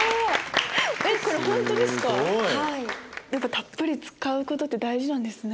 たっぷり使うことって大事なんですね。